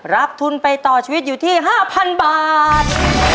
รับทุนไปต่อชีวิตอยู่ที่๕๐๐๐บาท